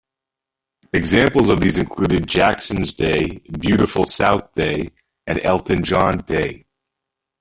Examples of these included "Jacksons Day", "Beautiful South Day" and "Elton John Day".